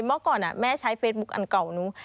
เมื่อก่อนแม่ใช้เฟซบุ๊คอันเก่านู้น